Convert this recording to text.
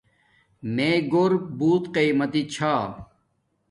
میں گھور بوت قیمتی چھا